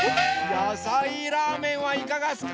やさいラーメンはいかがすか？